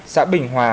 xã bình hòa